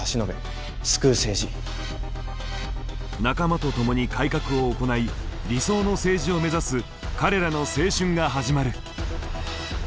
仲間と共に改革を行い理想の政治を目指す彼らの青春が始まる。